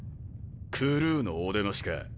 クルーのお出ましか。